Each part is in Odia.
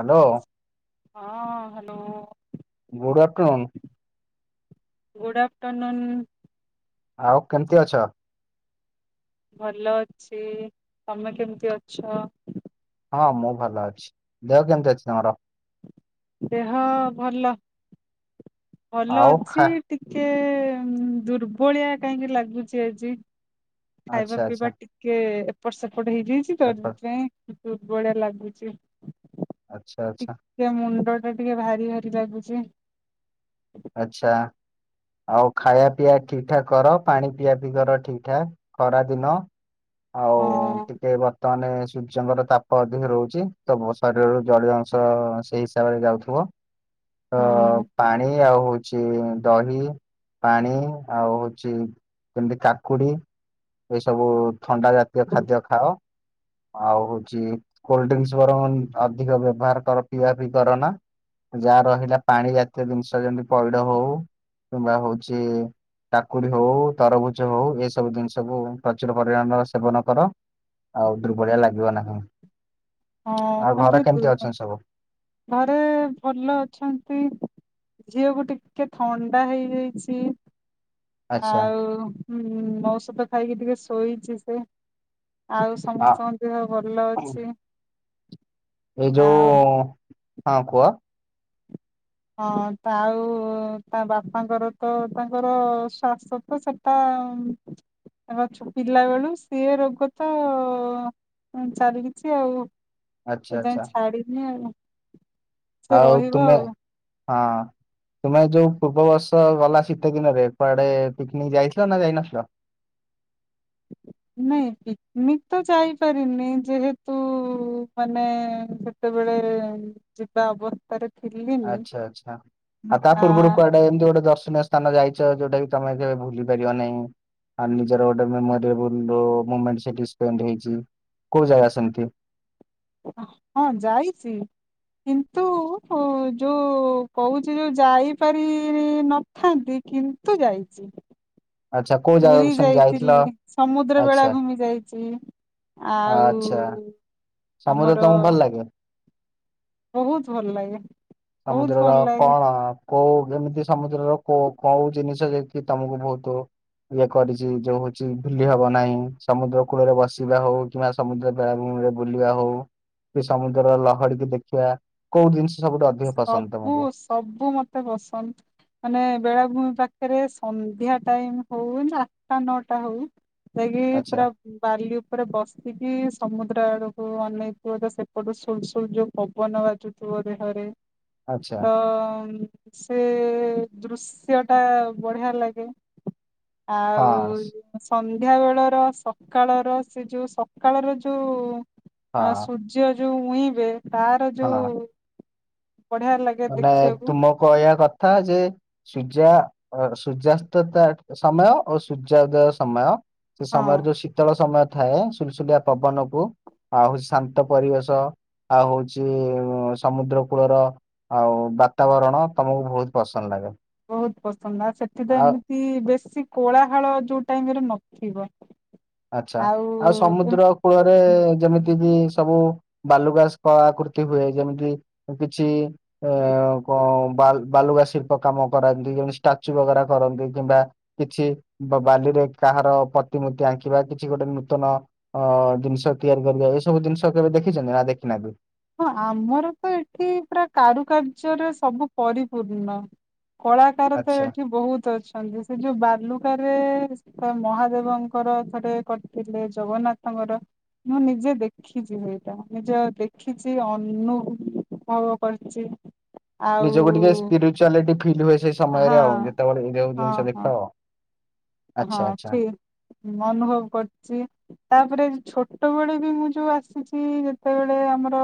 ହାଲୋ। ହଁ hello. Good afternoon good afternoon. ଆଉ କେମିତି ଅଛ? ଭଲ ଅଛି ତମେ କେମିତି ଅଛ? ହଁ ମୁଁ ଭଲ ଅଛି ଦେହ କେମିତି ଅଛି ତମର? ଦେହ ଭଲ ଭଲ ଆଉ ଅଛି ଖା ଟିକେ ଦୁର୍ବଳିଆ କାହିଁକି ଲାଗୁଚି ଆଜି। ଖାଇବା ଆଚ୍ଛା ଆଚ୍ଛା ପିଇବା ଟିକେ ଏପଟ ସେପଟ ହେଇଯାଇଛି ତ ଏପ- ସେଥିପାଇଁ। ଦୁର୍ବଳିଆ ଲାଗୁଚି। ଆଛା ଆଛା। ସେ ମୁଣ୍ଡ ଟା ଟିକେ ଭାରି ଭାରି ଲାଗୁଛି। ଆଛା। ଆଉ ଖାଇବା ପିଇବା ଠିକ୍ ଠାକ୍ କର ପାଣି ପିଆ ପିଇ କର ଠିକ୍ ଠାକ୍ ଖରା ଦିନ। ଆଉ ହଁ ଟିକେ ବ ବର୍ତମାନେ ସୂର୍ଯ୍ୟଙ୍କର ତାପ ଅଧିକ ରହୁଛି ତ ଶରୀରରୁ ଜଳୀୟ ଅଂଶ ସେଇ ହିସାବରେ ଯାଉଥିବ। ତ ହଁ ପାଣି ଆଉ ହଉଛି ଦହି। ପାଣି ଆଉ ହଉଛି ଯେମିତି କାକୁଡି ଏସବୁ ଥଣ୍ଡା ଜାତୀୟ ଖାଦ୍ୟ ଖାଅ ଆଉ ହଉଛି। କୋଲଡ୍ରିଙ୍କସି ବରଙ୍ଗ ଅଧିକ ବ୍ୟବହାର କର ପିଇବା ପିଇ କର ନା। ଯାହା ରହିଲା ପାଣି ଜାତୀୟ ଜିନିଷ ଯେମତି ପଇଡ ହଉ। କିମ୍ବା ହଉଛି। କାକୁଡି ହଉ ତରଭୁଜ ହଉ ଏସବୁ ଜିନିଷ କୁ ପ୍ରଚୁର ପରିମାଣର ସେବନ କର। ଆଉ ଦୁର୍ବଳିଆ ଲାଗିବ ନାହି ହଁ ଆଉ ଘର ଟିକେ କେମତି ଅଛନ୍ତି ସବୁ? ଘରେ ଭଲ ଅଛନ୍ତି। ଝିଅକୁ ଟିକେ ଥଣ୍ଡା ହେଇଯାଇଛି। ଆଚ୍ଛା ଆଉ ଉ ମଔଷଦ ଖାଇକି ଟିକେ ଶୋଇଛି ସେ। ଆଉ ଆ ସମସ୍ତଙ୍କ ଦେହ ଭଲ ଅଛି। ଏ ଯୋଉ ଆଉ ହଁ କୁହ। ହଁ ତାଉ ତା ବାପାଙ୍କର ତ ତାଙ୍କର ଶ୍ଵାସ ତ ସେ ତ ତକ ଛୁ ପିଲା ବେଳୁ ସିଏ ରୋଗ ତ ଚାଲିଛି ଆଉ। ଆଚ୍ଛା ଏ ଯାଇଁ ଆଚ୍ଛା ଛଡ଼ିନି ଆଉ। ସେ ଆଉ ରହିବ ତୁମେ ହଁ। ତୁମେ ଯୋଉ ପୂର୍ବ ବର୍ଷ ଗଲା ଶୀତ ଦିନରେ କୁଆଡେ ପିକନିକ ଯାଇଥିଲ ନା ଯାଇନଥିଲ। [inaudible] ନାଇଁ ପିକ୍ ନିକ୍ ତ ଯାଇପାରିନି ଯେହେତୁ ମାନେ ତେବେଳେ ଯିବା ଅବସ୍ଥାରେ ଥିଲିନି ଆଚ୍ଛା ଆଚ୍ଛା ଆଉ ତା ଆ ପୂର୍ବରୁ କୁଆଡେ଼ ଗୋଟେ ଏମିତି ଗୋଟେ ଦର୍ଶନୀୟ ସ୍ଥାନ ଯାଇଛ ଯୋଉଟା କି ତମେ କେବେ ଭୁଲି ପାରିବ ନାହିଁ? ଆ ନିଜର ଗୋଟେ ମେମୋରିଏବଲ ମୁମେଣ୍ଟ ସେଠି ସ୍ପେଣ୍ଡ ହେଇଚି କୋଉ ଜାଗା ସେମତି ହଁ ଯାଇଚି କିନ୍ତୁ ଯୋଉ କହୁଚି ଯୋଉ ଯାଇପାରି ନ ଥାନ୍ତି କିନ୍ତୁ ଯାଇଚି। ଆଚ୍ଛା କୋଉ ପୁରୀ ଜାଗାକୁ ସେମିତି ଯାଇଥିଲ ଯାଇଥିଲି ସମୁଦ୍ର ବେଳା ଆଚ୍ଛା ଭୂମି ଯାଇଚି। ଆଉ ଆଚ୍ଛା। ସମୁଦ୍ର ତମକୁ ଭଲ ଲାଗେ? ବହୁତ୍ ଭଲ୍ ଲାଗେ। ବହୁତ ସମୁଦ୍ରର ଭଲ ଲାଗେ କଣ କୋଉ ଯେମିତି ସମୁଦ୍ରର କୋ କୋଉ ଜିନିଷ ଜେତିକି ତମକୁ ବହୁତୁ ଇଏ କରିଛି ଯୋଉ ହଉଛି ଭୁିଲ ହବ ନାହିଁ ସମୁଦ୍ର କୂଳରେ ବସିବା ହଉ କିମ୍ବା ସମୁଦ୍ର ବେଳାଭୂମିରେ ବୁଲିବା ହଉ ସମୁଦ୍ର ଲହଡିିକି ଦେଖିବା କୋଉ ଜିନିଷ ସବୁଠୁ ଅ ସବୁ ସବୁ ମତେ ପସନ୍ଦ୍। ମାନେ ବେଳାଭୂମି ପାଖରେ ସନ୍ଧ୍ୟା ଟାଇମ୍ ହଉ ଆଠଟା ନଅଟା ହଉ ଯାଇକି ଆଚ୍ଛା ପୁରା ବାଲି ଉପରେ ବସିକି ସମୁଦ୍ର ଆଡକୁ ଅନେଇ ଥିବ ତ ସେପଟୁ ସୁଲ୍ ସୂଲ୍ ଯୋଉ ପବନ ବାଜୁଥିବ ଦେହରେ ଆଚ୍ଛା ତ-ସେ-ଦୃଶ୍ୟ ଟା ବଢିଆ ଲାଗେ। ଆଉ ହଁ ସନ୍ଧ୍ୟା ବେଳର ସକାଳର ସେ ଯୋଉ ସକାଳର ଯୋଉ ହଁ ସୁର୍ ର୍ଯ୍ୟ ଯୋଉ ଉଇଁବେ ତାର ହଁ। ଯୋଉ ବଢିଆ ଲାଗ ମାନେ ତୁମ କଇବା କଥା ଯେ ସୂର୍ଯ୍ୟା ସୂର୍ଯ୍ୟାସ୍ତତା ସମୟ ଓ ସୂର୍ଯ୍ୟ ଉଦୟ ସମୟ ସେ ହଁ ସମୟରେ ଯୋଉ ଶୀତଳ ସମୟ ଥାଏ ସୁଲସୁଲିଆ ପବନକୁ ଆଉ ହଉଛି ଶାନ୍ତ ପରିବେଶ ଆଉ ହଉଛି ସମୁଦ୍ର କୂଳର ଆଉ ବାତାବରଣ ତମକୁ ବହୁତ ପସନ୍ଦ୍ ଲାଗେ। ବହୁତ୍ ପସନ୍ଦ ଆ ସେଠି ତ ଆଉ ଏମିତି ବେଶୀ କୋଳାହାଳ ଯୋଉ ଟାଇମ୍ ରେ ନଥିବ। ଆଛା ଆଉ ଏମ ସମୁଦ୍ର କୂଳରେ ଯେମିତି କି ସବୁ ବାଲୁଗାସ ଆକୃତି ହୁଏ ଯେମିତି କିଛି ଏ କ ବାଲ୍ ବାଲୁଗା ଶିଳ୍ପ କାମ କରାନ୍ତି ଯେ ଷ୍ଟାଚୁ ବଗରା କରନ୍ତି କିମ୍ବା କିଛି ବା-ବାଲିରେ କାହାର ପ୍ରତିମୂର୍ତ୍ତି ଆଙ୍କି ଙ୍କିବା କିଛି ଗୋଟେ ନୂତନ ଅ ଜିନିଷ ତିଆରି କରିବା ଏଇସବୁ ଜିନିଷ କେବେ ଦେଖିଛନ୍ତି ନା ଦେଖୀନାହାନ୍ତି? ହଁ ଆମର ତ ଏଠି ପୁରା କାରୁକାର୍ଯ୍ୟରେ ସବୁ ପରିପୂର୍ଣ୍ଣ। କଳାକାର ତ ଆଚ୍ଛା ଏଠି ବହୁତ୍ ଅଛନ୍ତି ସେ ଯୋଉ ବାଲୁକାରେ ଥରେ ମହାଦେବଙ୍କର ଥରେ କରିଥିଲେ ଜଗନ୍ନାଥଙ୍କର ମୁଁ ନିଜେ ଦେଖିଛି ହେଇଟା ନିଜ ଦେଖ୍ ଖିଛି ଅନୁ-ଭବ କରିଚି। ନିଜକୁ ଟିକେ ସ୍ପିରିଚୁଆଲିଟି ଫିଲ୍ ହୁଏ ସେ ହଁ ସମୟରେ ଆଉ ଯେତେବେଳେ ଏଇବୁ ହଁ ଜିନିଷ ହଁ ଦେଖ। ହଁ ଆଚ୍ଛା ଆଚ୍ଛା ଠିକ ଅନୁଭବ କରୁଛି। ତାପରେ ଛୋଟବେଳେ ବି ମୁଁ ଯୋଉ ଆସିଛି ଯେତେବେଳେ ଆମର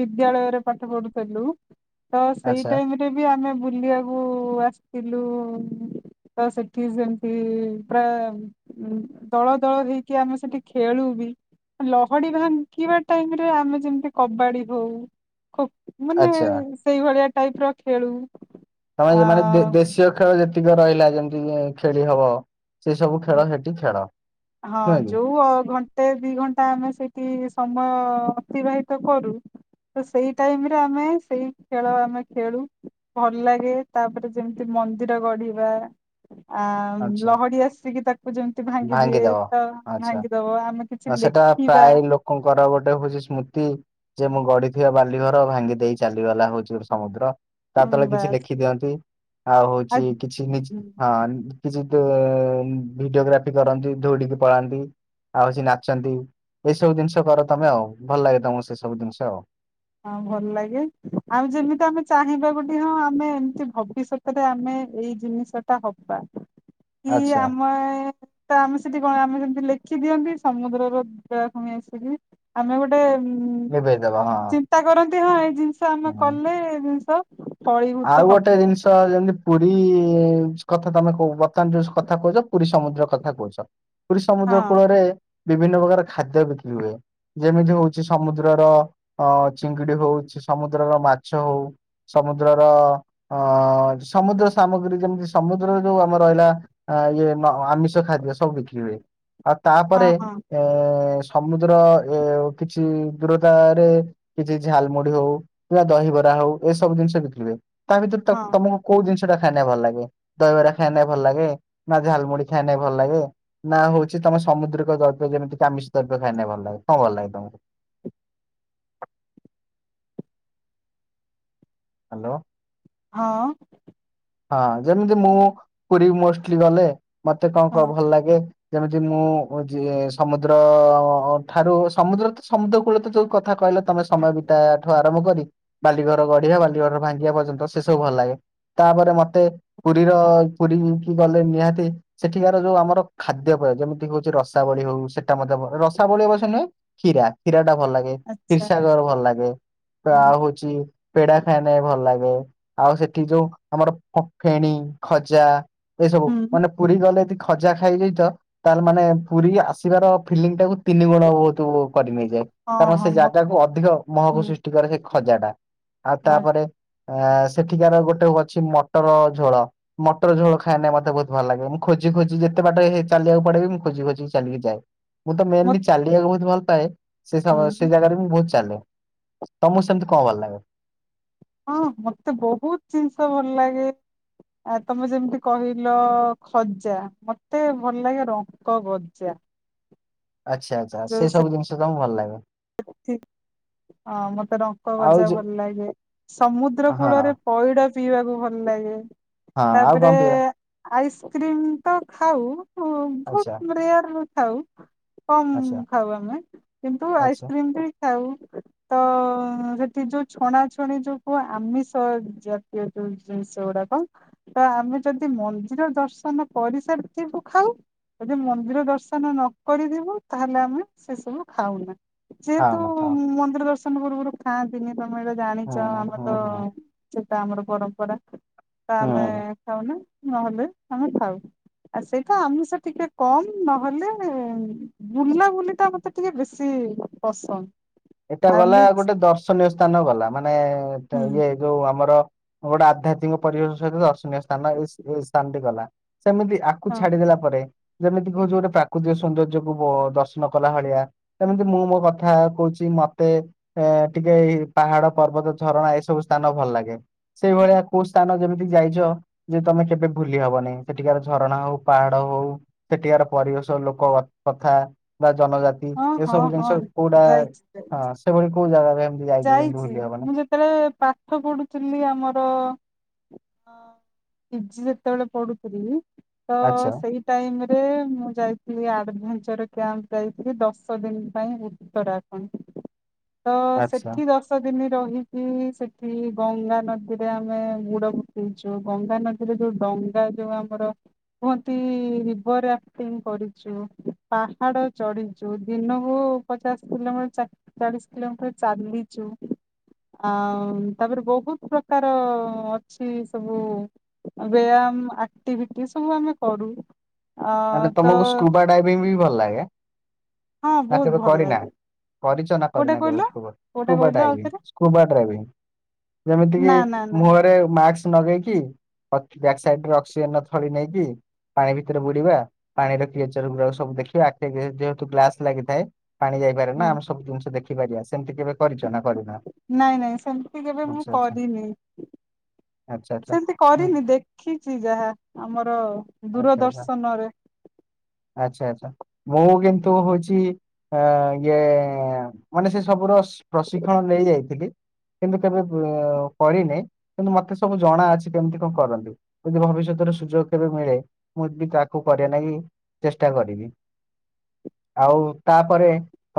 ବିଦ୍ୟାଳୟରେ ପାଠ ପଢୁଥିଲୁ ତ ସେଇ ଆଚ୍ଛା ଟାଇ ବି ଆମେ ବୁଲିବାକୁ ଆସିଥିଲୁ ତ ସେଠି ସେମତି ପୁରା ଦଳ ଦଳ ହେଇକି ଆମେ ସେଠି ଖେଳୁ ବି? ଲହଡି ଭାଙ୍ଗିବା ଟାଇମ ରେ ଆମେ ଯେମିତି କବାଡି ହଉ ଖୋ ମାନେ ଆଚ୍ଛା ସେଇଭଳିଆ ଟାଇପ ର ଖେଳୁ। ଆ ତମେ ମାନେ ଦେଶୀୟ ଖେଳ ଯେତିକି ରହିଲା ଯେମିତି ଖେଳି ହବ। ସେ ସବୁ ଖେଳ ସେଠି ଛାଦ ନୁହେଁ? ପୁଅ ଘ୍ନନ ଘଟେ ଦି ଘଣ୍ଟା ଆମେ ସେଠି ସମୟ ଅତିବାହିତ କରୁ। ତ ସେଇ ଟାଇମରେ ଆମେ ସେଇ ଖେଳ ଆମେ ଖେଳୁ। ଭଲ ଲାଗେ ତାପରେ ଯେମିତି ମନ୍ଦିର ଗଢିବା। ଆ ଆଚ୍ଛା ଲହଡି ଆସିକି ତାକୁ ଯେମିତି ଭାଙ୍ଗି ଦିଏ ଭାଙ୍ଗିଦବ। ତ ଆଚ୍ଛା ଭାଙ୍ଗିଦବ। ଆମେ କିଛି ସେଟା ଲେଖିବା ପ୍ରାୟ ଲୋକଙ୍କର ଗୋଟେ ହଉଛି ସ୍ମୃତି। ଯେ ମୁଁ ଗଡିିଥିବା ବାଲି ଘର ଭାଙ୍ଗି ଦେଇ ଚାଲିଗଲା ହଉଛି ସମୁଦ୍ର। ତା ତଳେ କିଛି ବାସ୍ ଲେଖି ଦିଅନ୍ତି ଆଉ ଆ ହଉଛି କିଛି ନି ହଁ କିଛି ଭିଡିଓଗ୍ରାଫି କରନ୍ତି ଦୌଡ଼ିକି ପଳାନ୍ତି। ଆଉ କିଛି ନାଚନ୍ତି ଏଇସବୁ ଜିନିଷ କର ତମେ ଆଉ ଭଲ ଲାଗେ ତମକୁ ସେ ସବୁ ଜିନିଷ ଆଉ। ହଁ ଭଲ ଲାଗେ ଆଉ ଯେମିତି ଆମେ ଚାହିଁବା ଗୋଟେ ହଁ ଆମେ ଏମିତି ଭବିଷ୍ୟତ ରେ ଆମେ ଏଇ ଜିନିଷ ଟା ହବା କି ଆଚ୍ଛା ଆମେ ତ ଆମେ ସେଠି କଣ ଆମେ ଯେମିତି ଲେଖି ଦିଅନ୍ତି ସମୁଦ୍ରର ବେଳା ଭୂମି ଆସିକି ଆମେ ଗୋଟେ ଲିଭେଇଦବ ଉ ଚିନ୍ତା କରନ୍ତି ହଁ ଏଇ ଜିନିଷ ଆମେ ହଁ। କଲେ ଏ ଜିନିଷ। ଆଉ ଫଳୀଭୂତ ଗୋଟେ ହବ ଜିନିଷ ତ ଯେମିତି ପୁରୀ କଥା ତମେ କହୁ ବର୍ତ୍ତମାନ ଯୋଉ କଥା କହୁଛ ପୁରୀ ସମୁଦ୍ର କଥା କହୁଛ। ପୁରୀ ହଁ ସମୁଦ୍ର କୂଳରେ ବିଭିନ୍ନ ପ୍ରକାର ଖାଦ୍ୟ ବିକ୍ରି ହୁଏ। ଯେମିତି ହଉଛି ସମୁଦ୍ରର ଅ ଚିଙ୍ଗୁଡି ହଉ ସମୁଦ୍ରର ମାଛ ହଉ ସମୁଦ୍ରର ଅ ସମୁଦ୍ର ସାମଗ୍ରୀ ଯେମିତି ସମୁଦ୍ରରେ ଯୋଉ ଆମର ରହିଲା। ଇଏ ଆମିଷ ଖାଦ୍ୟ ସବୁ ବିକ୍ରି ହୁଏ ଆଉ ହଁ ତାପରେ ହଁ ଏ ସମୁଦ୍ର ଏ କିଛି ଦୂରତାରେ କିଛି ଝାଲମୁଢଡି ହଉ କିମ୍ବା ଦହିବରା ହଉ ଏସବୁ ଜିନିଷ ବିକି ହୁଏ ତା ଭିତରେ ହଁ ତମକୁ କୋଉ ଜିନିଟା ଖାଇ ଭଲ ଲାଗେ ଦହିବରା ଖାଇ ନ ଭଲ ଲାଗେ ନା ଝାଲମୁଢ ଖାଇଲେ ଭଲ ଲାଗେ। ନା ହଉଛି ତମ ସମୁଦ୍ରିକ ଦ୍ରବ୍ୟ ଯେମିତି ଆମିଷ ଦ୍ରବ୍ୟ ଖାଇଲେ ଭଲ ଲାଗେ କଣ ଭଲ ଲାଗେ ତମକୁ? ହ୍ୟାଲୋ। ହଁ। ହଁ ଯେମିତି ମୁଁ ପୁରୀ ମୋଷ୍ଟଲି ଗଲେ ମତେ କଣ ହଁ କହ ଭଲ ଲାଗେ? ଯେମିତି ମୁଁ ସମୁଦ୍ର ଠାରୁ ସମୁଦ୍ର ତ ସମୁଦ୍ର କୂଳ ତ ଯୋଉ କଥା କହିଲା ତମେ ସମୟ ବିତାଠୁ ଆରମ୍ଭ କରି ବାଲି ଘର ଗଢିବା ବାଲି ଘର ଭାଙ୍ଗିବା ପର୍ଯ୍ୟନ୍ତ ସେ ସବୁ ଭଲ ଲାଗେ। ତାପରେ ମତେ ପୁରୀର ପୁରୀ କି ଗଲେ ନିହାତି ସେଠିକାର ଯୋଉ ଆମର ଖାଦ୍ୟ ପୟ ଯେମିତି ହଉଛି ରସାବଳି ହଉ ସେଟା ମଧ୍ୟ ରସାବଳି ଅବଶ ନୁହେଁ। କ୍ଷୀରା କ୍ଷୀରା ଟା ଭଲ ଲାଗେ ଆଚ୍ଛା କ୍ଷୀସାଗର ଭଲ ଲାଗେ ଆ ହଁ ଆଉ ହଉ ପେଡା ଖାଇ ନ ଭଲ ଲାଗେ ଆଉ ସେଠି ଯୋଉ ଆମର ଫେଣିୀ ଖଜା ଏଇସବୁ ହୁଁ ମାନେ ପୁରୀ ଗଲେ ଖଜା ଖାଇଯାଇ ତ ତାହେଲେ ମାନେ ପୁରୀ ଆସିବାର ଫିଲିଙ୍ଗ ଟାକୁ ତିନି ଗୁଣ ବହୁତ କରି ନେଇଯାଏ। ହଁ କାରଣ ହଁ ସେ ମ ଜାଗାକୁ ଅଧିକ ମହକୁ ହୁଁ ସୃଷ୍ଟି କରେ ସେ ଖଜା ଟା ଆଉ ଆ ତାପରେ ଆ ସେଠିକାର ଗୋଟେ ଅଛି ମଟର ଝୋଳ ମଟର ଝୋଳ ଖାଇଲେ ମତେ ବହୁତ ଭଲ ଲାଗେ ମୁଁ ଖୋଜି ଖୋଜି ଯେତେ ବାଟ ହେ ଚାଲିବାକୁ ପଡେ ବି ମୁଁ ଖୋଜି ଖୋଜିି ଚାଲିକି ଯାଏ। ମୁଁ ତ ମୋ ମେନଲି ଚାଲିବାକୁ ବହୁତ ଭଲ ପାଏ ସେ ସମୟ ସେ ହୁଁ ଜାଗାରେ ବି ମୁଁ ବହୁତ୍ ଚାଲେ ତମକୁ ସେମିତି କଣ ଭଲ ଲାଗେ? ହଁ ମତେ ବହୁତୁ ଜିନିଷ ଭଲ ଲାଗେ। ଆ ତମେ ଯେମିତି କହିଲ ଖଜା ମତେ ଭଲ ଲାଗେ ରଙ୍କ ଗଜା। ଆଛା ଆଚ୍ଛା ସେ ସବୁ ଜିନିଷ ତମକୁ ଭଲ ଲାଗେ। ହ ମତେ ରଙ୍କ ଆଉ ଭଜା ଯୋ ଭଲ ଲାଗେ ସମୁଦ୍ର କୂଳରେ ହଁ ପଇଡ ପିଇବାକୁ ଭଲ ଲାଗେ ହଁ ଆଉ ତାପରେ କଣ ପ୍ରିୟ? ଆଇସ୍କ୍ରିମ ତ ଖାଉ ଆଚ୍ଛା ବହୁତ ରେୟାରରେ ଖାଉ ଆଚ୍ଛା କମ ଖାଉ ଆମେ କିନ୍ତୁ ଆଚ୍ଛା ଆଇସ୍କ୍ରିମ ବି ଖାଉ। ତ ସେଠି ଯୋଉ ଛଣାଛଣି ଯୋଉ କୁହ ଆମିଷ ଯ ଇଏ ଯୋଉ ଜିନିଷ ଗୁଡାକ। ତ ଆମେ ଯଦି ମନ୍ଦିର ଦର୍ଶନ କରିସାରିଥିବୁ ଖାଉ। ଯଦି ମନ୍ଦିର ଦର୍ଶନ ନ କରିଥିବୁ ତାହେଲେ ଆମେ ସେ ସବୁ ଖାଉନା। ଯେହେତୁ ହଁ ମନ୍ଦିର ଦର୍ଶନ ପୂର୍ବରୁ ଖାଆନ୍ତିନି ତମେ ଏ ତ ଜାଣିଛ ହଁ ଆମର ହଁ ତ ହଁ ଏତା ଆମର ପରମ୍ପରା ତା ଆମେ ହଁ। ଖାଉ ନା ନହେଲେ ଆମେ ଥାଉ। ଆଉ ସେଇଟା ଆମିଷ ଟିକେ କମ୍ ନହେଲେ ବୁଲା ବୁଲି ଟା ମତେ ଟିକେ ବେଶୀ ପସନ୍ଦ। ଏଟା ଗଲା ଏମିତି ଗୋଟେ ଦର୍ଶନୀୟ ସ୍ଥାନ ଗଲା ମାନେ ତା ହୁଁ ଇଏ ଯୋଉ ଆମର ଗୋଟେ ଆଧ୍ୟାତ୍ମିକ ପରିବେଶ ସହିତ ଦର୍ଶନୀୟ ସ୍ଥାନ ଏଇ ସ୍ଥାନ ଟି ଗଲା। ସେମିତି ଆକୁ ହଁ ଛାଡିଦେଲା ପରେ। ଯେମିତି କହୁଛି ଗୋଟେ ପ୍ରାକୃତିକ ସୌନ୍ଦର୍ଯ୍ୟ କକୁ ଦର୍ଶନ କଲା ଭଳିଆ। ସେମିତି ମୁଁ ମୋ କଥା କହୁଛି। ବି ମତେ ଏ ଟିକେ ଏଇ ପାହାଡ ପର୍ବତ ଝରଣା ଏଇ ସବୁ ସ୍ଥାନ ଭଲ ଲାଗେ। ସେଇ ଭଳିଆ କୋଉ ସ୍ଥାନ ଯେମିତି ଯାଇଛ। ଯେ ତମେ କେବେ ଭୁଲି ହବନି ସେଠିକାର ଝରଣା ହଉ ପାହାଡ ହଉ। ସେଠିକାର ପରିବେଶ ଲୋକ କଥା ବା ଜନଜାତି ହଁ ହଁ ଏସବୁ ହଁ ଜିନିଷ କୋଉଟା। ଯାଇଛି ଯାଇଛି ହଁ ସେଭଳି କୋଉ ଜାଗା ବି ଏମ୍ ଯାଇଛି ମୁଁ ଯେତେବେଳେ ପାଠ ପଢୁଥିଲି ଆମର। ଜି ଯେତେବେଳେ ପଡୁଥିଲି ତ ଆଚ୍ଛା ସେଇ ଟାଇମରେ ମୁଁ ଯାଇଥିଲି ଆଡଭେଞ୍ଚର କ୍ୟାମ୍ପ ଯାଇଥିଲି ଦଶ ଦିନ ପାଇଁ ଭୁ ତ ରାଜହଂସ ତ ସେ ଆଚ୍ଛା ଦଶ ଦିନ ରହିଛିି ସେଠି ଗଙ୍ଗା ନଦୀରେ ଆମେ ଗୁଡ ପ ସେ ଯୋଉ ଗଙ୍ଗା ନଦୀରେ ଯୋଉ ଡଙ୍ଗା ଯୋଉ ଆମର। କୁହନ୍ତି ଓଭର ଆଟିଙ୍ଗ୍ କରିଛୁ ପାହାଡ଼ ଚଢ଼ିଛୁ ଦିନକୁ ପଚାଶ କିଲୋମିଟର ଚାଳିଶ କିଲୋମିଟର ଚାଲିଛୁ। ଆଉ ତାପରେ ବହୁତୁ ପ୍ରକାର ଅଛି ସବୁ ବ୍ୟାୟାମ ଆକ୍ଟିଭିଟି ସବୁ ଆମେ କରୁ। ଆ ମାନେ ତ ତମକୁ ସ୍କୁବା ଡାଇଭିଂ ବି ଭଲ ଲାଗେ ହଁ ନା ବହୁତ କେବେ ଭଲ କରିନା। ଲାଗେ କରିଚ ନା କୋଉଟା କରିନା କେବେ କହିଲ ସ୍କୁବ କୋଉଟା ସ୍କୁବା କହିଲ ଡାଇଭିଂ। ଆଉଥରେ ସ୍କୁବା ଡ୍ରାଇଭିଂ ଯେମିତି କି ନା ନା ନା ମୁ ଏ ମତେ ମାସ୍କ ନଗେଇକି ଅକ୍ସ ବ୍ୟାକ ସାଇଡର ଅକ୍ଜେନ ନଥାବି ନେଇକି ପାଣି ଭିତରେ ବୁ ଯିବା ପାଣିର କିଏଚର ଗୁଡାକ ସବୁ ଦେଖିବା ଆକ୍ଟି ଭେଞ୍ଚର ତୁ ଗ୍ଲାସ ଲାଗିଥାଏ ପାଣି ଯା କାରଣ ହୁଁ ଆମେ ସବୁ ଜିନିଷ ଦେଖିପାରିବା ସେମିତି କେବେ କରିଛ ନା କରିନ? ନାଇଁ ନାଇଁ ସେମିତି କେବେ ମୁଁ କରିନି। ଆଚ୍ଛା ଆଚ୍ଛା। ସେମିତି ହୁଁ କରିନି ଦେଖିଚି ଯାହା ଆମର ଆଚ୍ଛା ଆଚ୍ଛା ଦୂରଦର୍ଶନରେ। ଆଚ୍ଛା ଆଚ୍ଛା ମୁଁ କିନ୍ତୁ ହୋଉଚି ଅ ଇଏ ମାନେ ସେ ସବୁର ସ ପ୍ରଶିକ୍ଷଣ ନେଇ ଯାଇଥିଲି। କିନ୍ତୁ କେବେ କରିନି କିନ୍ତୁ ମତେ ସବୁ ଜଣା ଅଛି କେମିତି କଣ କରନ୍ତି। ଯଦି ଭବିଷ୍ୟତରେ ସୁଯୋଗ କେବେ ମିଳେ ମୁଁ ଡ଼ି ତା କୁ କରିବା ନାଗି ଚେଷ୍ଟା କରିବି ଆଉ ତାପରେ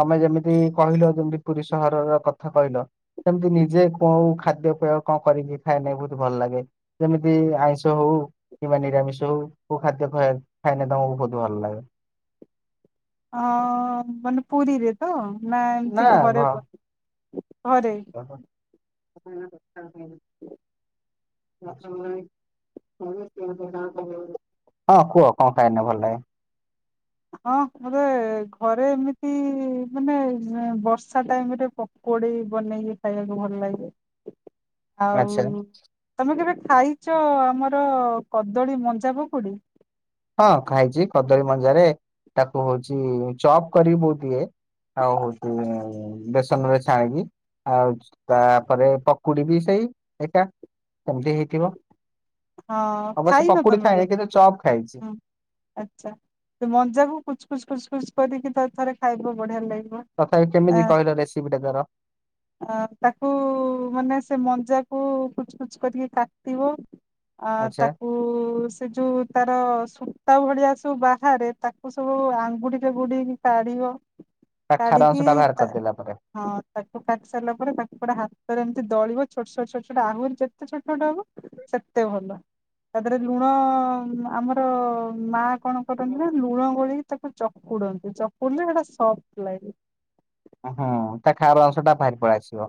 ତମେ ଯେମିତି କହିଲ ଯେମିତି ପୁରୀ ସହରର କଥା କହିଲ ସେମିତି ନିଜେ କୋଉ ଖାଦ୍ୟ ପେୟ କଣ କରିକି ଖାଇନେ ବୋହୁତ ଭଲ ଲାଗେ? ଯେମିତି ଆଇଁଷ ହୋଉ କିମ୍ବା ନିରାମିଷ ହୋଉ କୋଉ ଖାଦ୍ୟ ଖା ଖାଇନେ ତମକୁ ଭୋଉତୁ ଭଲ ଲାଗେ? ହଁ ମାନେ ପୁରୀରେ ତ ନା ଏମତି ଘରେ ବ ଘରେ। [unintelligible] ଲଚକମଣି ହଁ କୁହ କଣ ଖାଇନେ ଭଲ ଲାଗେ? ହଁ ମତେ ଘରେ ଏମିତି ମାନେ ବର୍ଷା ଟାଇମ୍ ରେ ପ କୁଡ଼ି ବନେଇକି ଖାଇବାକୁ ଭଲ ଲାଗେ। ଆଉ ଆଚ୍ଛା ତମେ କେବେ ଖାଇଚ ଆମର କଦଳୀ ମଞ୍ଜା ପକୁଡ଼ି? ହଁ ଖାଇଚି କଦଳୀ ମଞ୍ଜାରେ ତାକୁ ହୋଉଚି ଚପ୍ କରିକି ବୋଉ ଦିଏ। ଆଉ ହୋଉଚି ବେସନରେ ଛାଣିକି ଆଉ ତାପରେ ପକୁଡ଼ି ବି ସେଇ ଏକା। ସେମିତି ହେଇଥିବ ହଁ ଅବଶ୍ୟ ଖାଇନ ପକୁଡ଼ି ତମେ କେବେ ଖାଏ କିନ୍ତୁ ଚପ୍ ଖାଇଚି। ହଁ ଆଚ୍ଛା। ମଞ୍ଜାକୁ କୁଚ କୁଚ ଖୁଚ୍ ଖୁଚ କରିକି ତା ଥରେ ଖାଇବ ବଢ଼ିଆ ଲାଗିବ। ତଥାପି କେମିତି କହିଲ ରେସିପି ଟା ତାର? ଆ ତାକୁ ମାନେ ସେ ମଞ୍ଜାକୁ କୁଚ କୁଚ କରିକି କାଟିବ। ଅ ଆଚ୍ଛା ତାକୁ ସେ ଯୋଉ ତାର ସୂତା ଭଳିଆ ସବୁ ବାହାରେ ତାକୁ ସବୁ ଆଙ୍ଗୁଟିରେ ଗୁଡ଼େଇକି କାଢ଼ିବ। ତା ଖାର ଅଂଶ କାଢ଼ିକି ଟା ବାହାର ତା କରିଦେଲା ପରେ। ହଁ ତାକୁ କାଟି ସାରିଲା ପରେ ତାକୁ ପୁରା ହାତରେ ଏମିତି ଦଳିବ ଛୋଟ ଛୋଟ ଛୋଟ ଛୋଟ ଆହୁରି ଯେତେ ଛୋଟ ଛୋଟ ହବ। ସେତେ ଭଲ ତା ଦେହରେ ଲୁଣ ଆମର ମା କଣ କରନ୍ତି ନା ଲୁଣ ଗୋଳେଇ ତାକୁ ଚକୁଡ଼ନ୍ତି ଚକୁଡ଼ିଲେ ହେଟା ସଫ୍ଟ ଲାଗେ। ଓ ହଁ ତା ଖାର ଅଂଶଟା ଭାରି ପଳେଇ ଆସିବ।